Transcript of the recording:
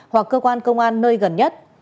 hoặc cơ quan công an nơi gần nhất